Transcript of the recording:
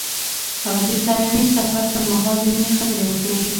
هغه د صمیمي سفر پر مهال د مینې خبرې وکړې.